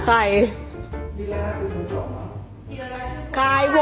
กลับมารมันทราบ